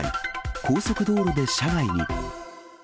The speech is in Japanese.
高速道路で車外に。